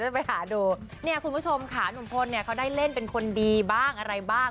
นะครับเดี๋ยวจะไปหาดูนี่คุณผู้ชมค่ะหนุ่มพลนะเขาได้เล่นเป็นคนดีบ้างอะไรบ้าง